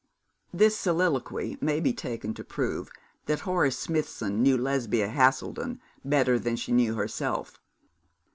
This soliloquy may be taken to prove that Horace Smithson knew Lesbia Haselden better than she knew herself.